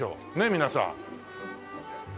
皆さん。